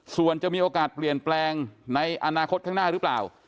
ส่วนจะมีโอกาสเปลี่ยนแปลงในอนาคตข้างหน้าหรือเปล่า